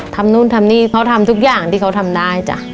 นู่นทำนี่เขาทำทุกอย่างที่เขาทำได้จ้ะ